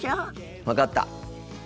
分かった。